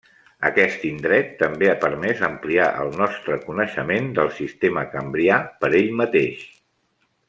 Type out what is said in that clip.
Aquest indret també ha permès ampliar el nostre coneixement del Sistema Cambrià per ell mateix.